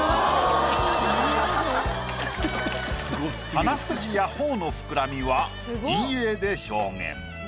鼻筋や頬の膨らみは陰影で表現。